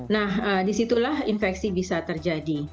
nah disitulah infeksi bisa terjadi